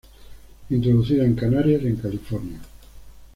Introducida en Canarias y en California.